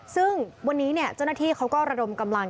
ซึ่งวันนี้เจ้าหน้าที่เขาก็ระดมกำลัง